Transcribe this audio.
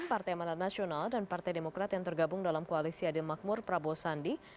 partai amanat nasional dan partai demokrat yang tergabung dalam koalisi adil makmur prabowo sandi